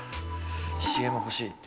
ＣＭ欲しいって。